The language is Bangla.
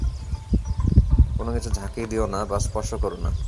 কোনো কিছু ঝাঁকি দিয়ো না বা স্পর্শ করো না।